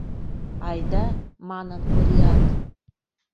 «Айда!» — манын Кориат.